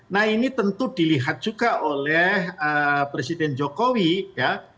nah ini tentu dilihat juga oleh presiden jokowi ya